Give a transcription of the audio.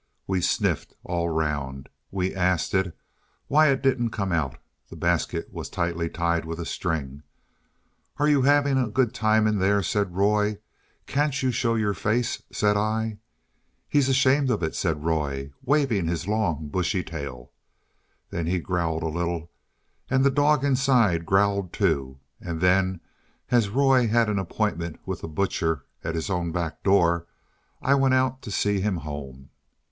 We sniffed all round. We asked it why it didn't come out (the basket was tightly tied up with string). "Are you having a good time in there?" said Roy. "Can't you show your face?" said I. "He's ashamed of it," said Roy, waving his long bushy tail. Then he growled a little, and the dog inside growled too; and then, as Roy had an appointment with the butcher at his own back door, I went out to see him home.